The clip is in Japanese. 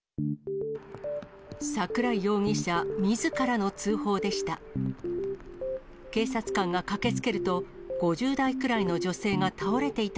桜井容疑者みずからの通報でした。